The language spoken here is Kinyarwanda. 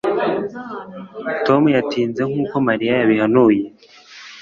Tom yatinze nkuko Mariya yabihanuye